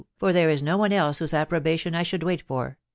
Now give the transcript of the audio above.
lor <4here is no one else iwhose approbation I should wait Sat